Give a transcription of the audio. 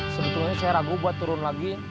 sebetulnya saya ragu buat turun lagi